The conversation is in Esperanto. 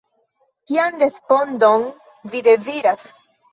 Kian respondon vi deziras?